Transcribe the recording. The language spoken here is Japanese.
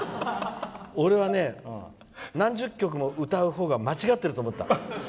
俺はね、何十曲も歌う方が間違っていると思った。